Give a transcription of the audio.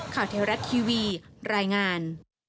เทวรัฐทีวีรายงาน